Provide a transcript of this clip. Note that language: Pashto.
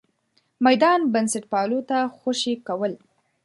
میدان بنسټپالو ته خوشې کول.